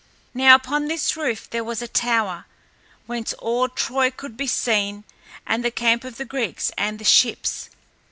Now upon this roof there was a tower, whence all Troy could be seen and the camp of the Greeks and the ships.